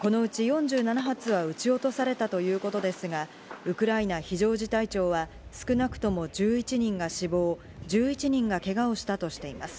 このうち４７発は撃ち落とされたということですが、ウクライナ非常事態庁は少なくとも１１人が死亡、１１人がけがをしたとしています。